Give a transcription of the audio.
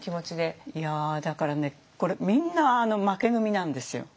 だからねこれみんな負け組なんですよ。